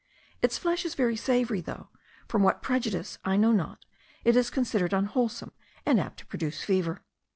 Its flesh is very savoury, though, from what prejudice I know not, it is considered unwholesome and apt to produce fever.